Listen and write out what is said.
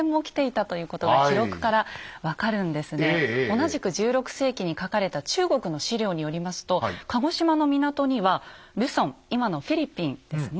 同じく１６世紀に書かれた中国の史料によりますと鹿児島の港にはルソン今のフィリピンですね